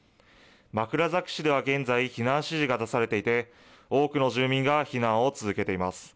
枕崎市では現在、避難指示が出されていて、多くの住民が避難を続けています。